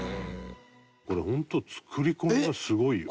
これ本当作り込みがすごいよ。